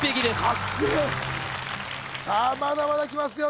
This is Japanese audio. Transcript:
覚醒さあまだまだいきますよ